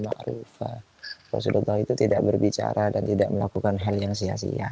makruh bahwa sudah tahu itu tidak berbicara dan tidak melakukan hal yang sia sia